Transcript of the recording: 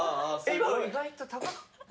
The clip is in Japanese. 今の意外と高かった。